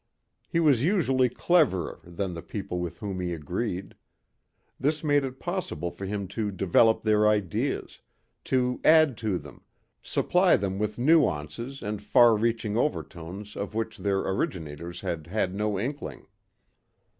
He was usually cleverer than the people with whom he agreed. This made it possible for him to develop their ideas, to add to them, supply them with nuances and far reaching overtones of which their originators had had no inkling.